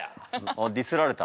・あっディスられた。